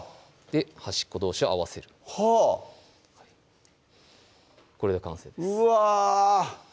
で端っこどうしを合わせるはぁこれで完成ですうわ！